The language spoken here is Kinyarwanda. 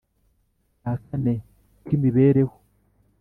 Cya kane k imibereho